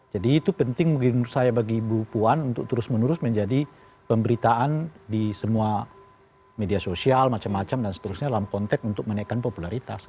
jadi itu penting mungkin saya bagi ibu puan untuk terus menerus menjadi pemberitaan di semua media sosial macam macam dan seterusnya dalam konteks untuk menaikkan popularitas